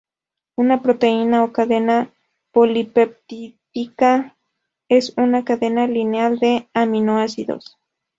Una proteína o cadena polipeptídica es una cadena lineal de aminoácidos.